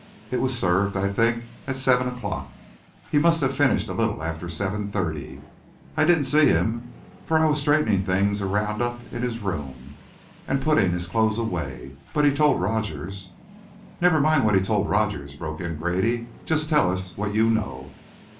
"It was served, I think, at seven o'clock. He must have finished a little after seven thirty. I didn't see him, for I was straightening things around up in his room and putting his clothes away. But he told Rogers " "Never mind what he told Rogers," broke in Grady. "Just tell us what you know."